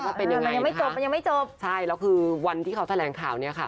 ก็เป็นยังไงนะคะใช่แล้วคือวันที่เขาแสดงข่าวเนี่ยค่ะ